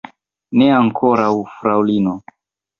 Ne ankoraŭ, fraŭlino.